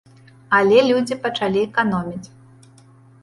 Але людзі пачалі эканоміць.